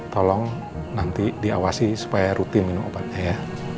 tolong nanti diawasi supaya rutin minum obatnya ya